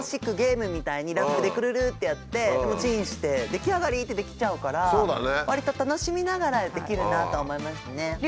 ラップでくるるってやってチンして出来上がりってできちゃうからわりと楽しみながらできるなと思いましたね。